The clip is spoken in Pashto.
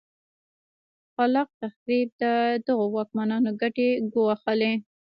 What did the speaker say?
خلا ق تخریب د دغو واکمنانو ګټې ګواښلې.